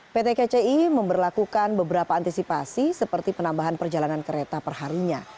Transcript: pt kci memperlakukan beberapa antisipasi seperti penambahan perjalanan kereta perharinya